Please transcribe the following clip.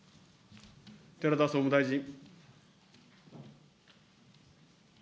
寺田総務大臣。